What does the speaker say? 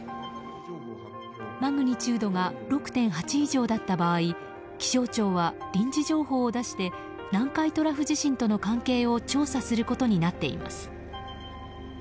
マグニチュードが６．８以上だった場合気象庁は臨時情報を出して南海トラフ地震との関係を調査することになっています。